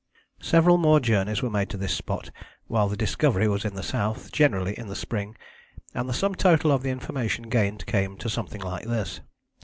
Several more journeys were made to this spot while the Discovery was in the south, generally in the spring; and the sum total of the information gained came to something like this.